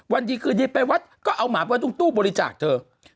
วันดีคืนดีไปวัดก็เอาหมาไปตรงตู้บริจาคเธอ